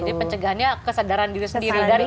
jadi pencegahannya kesadaran diri sendiri